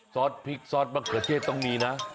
ซอสพริกซอสมะเขือเทศต้องมีนะ